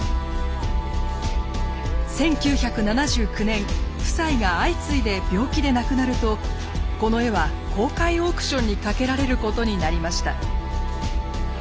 １９７９年夫妻が相次いで病気で亡くなるとこの絵は公開オークションにかけられることになりました。